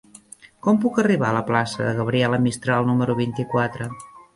Com puc arribar a la plaça de Gabriela Mistral número vint-i-quatre?